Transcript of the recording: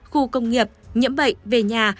khu công nghiệp nhiễm bệnh về nhà